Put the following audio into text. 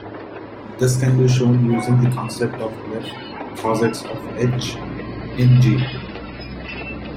This can be shown using the concept of left cosets of "H" in "G".